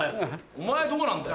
お前どうなんだよ。